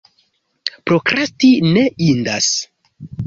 Prokrasti ne indas.